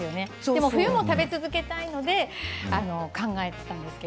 でも冬も食べ続けたいので考えたんです。